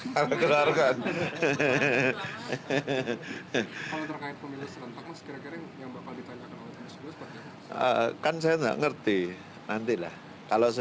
kalau terkait pemilu serentak mas kira kira yang bapak ditanyakan oleh teman teman sebelumnya